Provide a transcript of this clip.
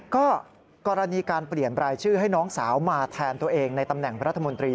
ก็กรณีการเปลี่ยนรายชื่อให้น้องสาวมาแทนตัวเองในตำแหน่งรัฐมนตรี